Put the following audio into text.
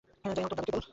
যাই হোক, তোর দাদুকে বল!